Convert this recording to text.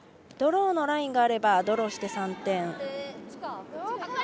ドローのラインがあればドローして３点。